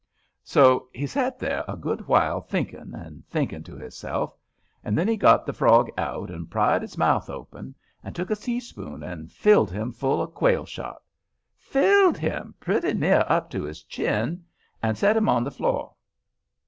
So he set there a good while thinking and thinking to hisself, and then he got the frog out and prized his mouth open and took a teaspoon and filled him full of quail shot—filled! him pretty near up to his chin—and set him on the floor.